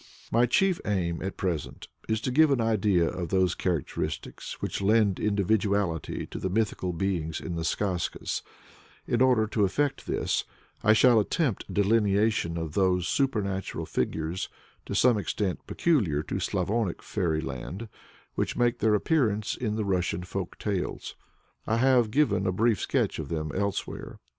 My chief aim at present is to give an idea of those characteristics which lend individuality to the "mythical beings" in the Skazkas; in order to effect this, I shall attempt a delineation of those supernatural figures, to some extent peculiar to Slavonic fairy land, which make their appearance in the Russian folk tales. I have given a brief sketch of them elsewhere.